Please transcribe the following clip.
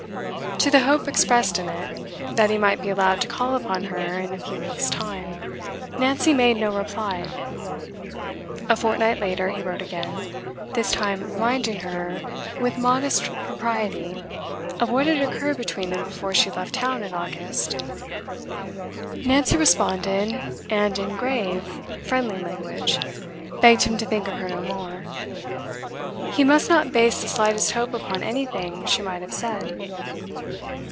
To the hope expressed in it, that he might be allowed to call upon her in a few weeks' time, Nancy made no reply. A fortnight later he wrote again, this time reminding her, with modest propriety, of what had occurred between them before she left town in August. Nancy responded, and in grave, friendly language, begged him to think of her no more; he must not base the slightest hope upon anything she might have said.